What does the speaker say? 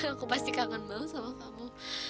aku pasti kangen banget sama kamu